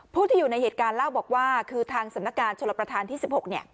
ผู้ที่อยู่ในเหตุการณ์เล่าบอกว่าคือทางสำนักการชลประธานที่๑๖